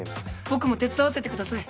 僕も手伝わせてください。